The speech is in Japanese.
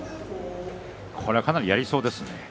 これはかなりやりそうですね。